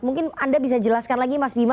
mungkin anda bisa jelaskan lagi mas bima